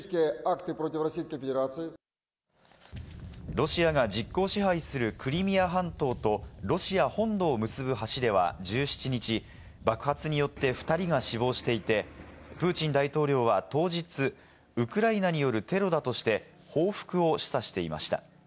ロシアが実効支配するクリミア半島とロシア本土を結ぶ橋では１７日、爆発によって２人が死亡していて、プーチン大統領は当日、ウクライナによるテロだとして、報復を示唆していました。